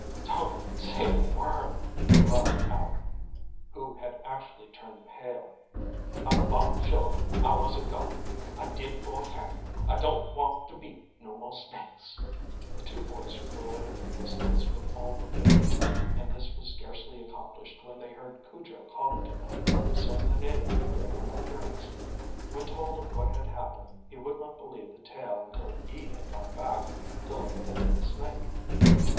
"Don't say a word," groaned Aleck, who had actually turned pale. "I vought shuah I was a goner, I did fo' a fac'! I don't want to meet no mo' snakes!" The two boys reloaded their pistols with all rapidity, and this was scarcely accomplished when they heard Cujo calling to them. Soon the native put in an appearance. When told of what had happened he would not believe the tale until he had gone back to look at the dead snake.